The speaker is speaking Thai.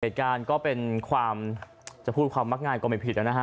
เหตุการณ์ก็เป็นความจะพูดความมักง่ายก็ไม่ผิดนะฮะ